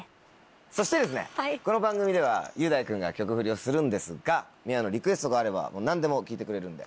そしてこの番組では雄大君が曲フリをするんですがｍｉｗａのリクエストがあればもう何でも聞いてくれるんで。